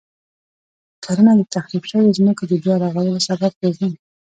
کرنه د تخریب شويو ځمکو د بیا رغولو سبب ګرځي.